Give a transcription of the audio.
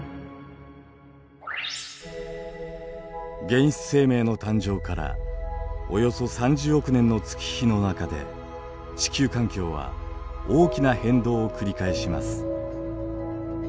原始生命の誕生からおよそ３０億年の月日の中で地球環境は大きな変動を繰り返します。